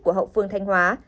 của hậu phương thanh hóa